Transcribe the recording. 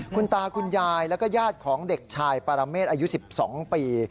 คุณตาคุณยายแล้วก็ญาติของเด็กชายปรเมษอายุ๑๒ปี